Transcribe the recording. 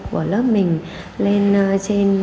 của lớp mình lên trên